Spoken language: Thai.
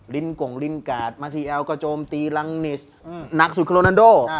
ลินกงลินกาสมาทรีแอลกระโจมตีลังนิสนักสุดก็โรนาโด